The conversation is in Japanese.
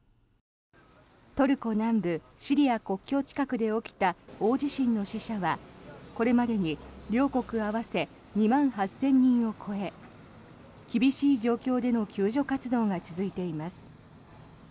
トルコ南部シリア国境近くで起きた大地震の死者はこれまでに両国合わせ２万８０００人を超え厳しい状況での救助活動が続いています。